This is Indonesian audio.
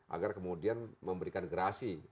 agar kemudian memberikan gerasi